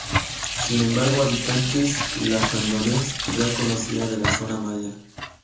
Sin embargo, habitantes lacandones ya conocían de la zona maya.